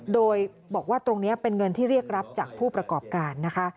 โดยบอกว่าตรงนี้เป็นเงินที่เรียกรับจากผู้ประกอบการนะคะ